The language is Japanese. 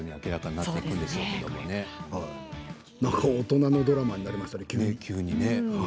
なんだか大人のドラマになりましたね、急に。